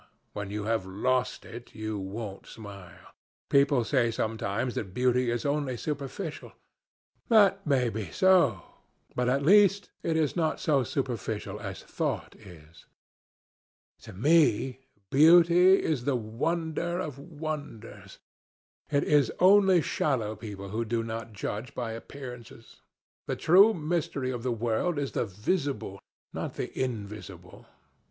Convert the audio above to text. when you have lost it you won't smile.... People say sometimes that beauty is only superficial. That may be so, but at least it is not so superficial as thought is. To me, beauty is the wonder of wonders. It is only shallow people who do not judge by appearances. The true mystery of the world is the visible, not the invisible....